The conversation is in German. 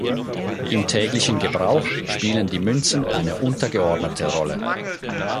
Im täglichen Gebrauch spielen die Münzen eine untergeordnete Rolle.